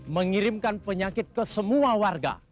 mengirimkan penyakit ke semua warga